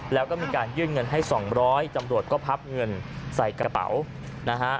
แล้วก็มีการยื่นเงินให้๒๐๐ตำรวจก็พับเงินใส่กระเป๋านะฮะ